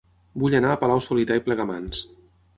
Vull anar a Palau-solità i Plegamans